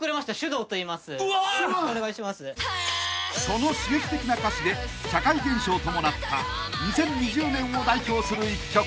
［その刺激的な歌詞で社会現象ともなった２０２０年を代表する１曲］